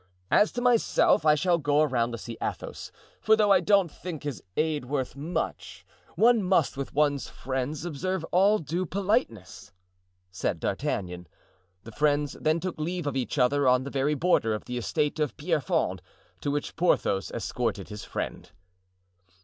"As to myself, I shall go around to see Athos; for though I don't think his aid worth much, one must with one's friends observe all due politeness," said D'Artagnan. The friends then took leave of each other on the very border of the estate of Pierrefonds, to which Porthos escorted his friend.